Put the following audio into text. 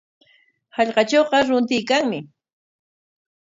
Hallqatrawqa runtuykanmi.